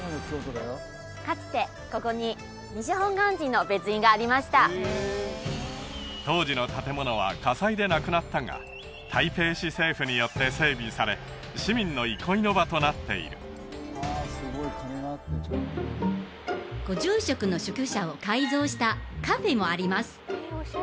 かつてここに西本願寺の別院がありました当時の建物は火災でなくなったが台北市政府によって整備され市民の憩いの場となっているご住職の宿舎を改造したカフェもあります